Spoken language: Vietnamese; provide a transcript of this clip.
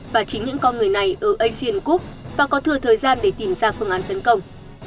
và chính những con người này ở asian gup và có thừa thời gian để tìm ra phương án tấn công